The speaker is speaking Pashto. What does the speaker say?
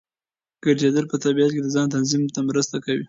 ګرځېدل په طبیعت کې د ځان تنظیم ته مرسته کوي.